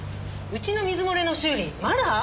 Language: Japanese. うちの水漏れの修理まだ？